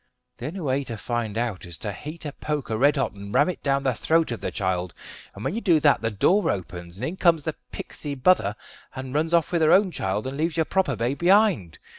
The only way to find out is to heat a poker red hot and ram it down the throat of the child; and when you do that the door opens, and in comes the pixy mother and runs off with her own child, and leaves your proper babe behind.